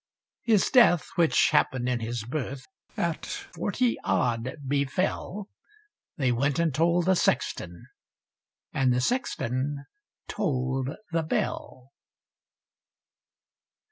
His death, which happen'd in his berth, At forty odd befell: They went and told the sexton, and The sexton toll'd the bell.